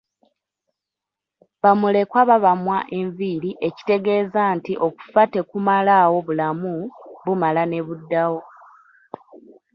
Ba mulekwa babamwa enviiri ekitegeeza nti okufa tekumalaawo bulamu, bumala ne buddawo.